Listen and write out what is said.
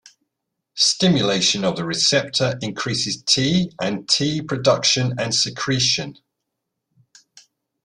Stimulation of the receptor increases T and T production and secretion.